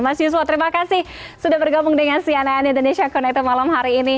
mas yiswo terima kasih sudah bergabung dengan sian ayan indonesia connected malam hari ini